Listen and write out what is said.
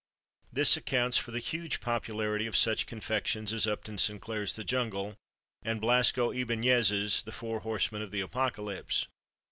This accounts for the huge popularity of such confections as Upton Sinclair's "The Jungle" and Blasco Ibáñez's "The Four Horsemen of the Apocalypse."